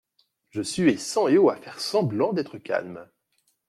Je suais sang et eau à faire semblant d'être calme.